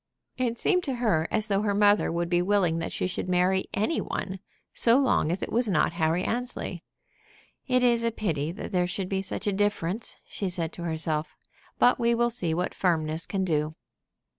It seemed to her as though her mother would be willing that she should marry any one, so long as it was not Harry Annesley. "It is a pity that there should be such a difference," she said to herself. "But we will see what firmness can do."